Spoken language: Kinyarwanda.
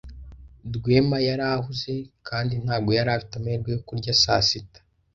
Rwema yari ahuze kandi ntabwo yari afite amahirwe yo kurya saa sita.